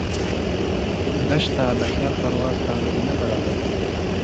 دښته د خیال پرواز ته زمینه برابروي.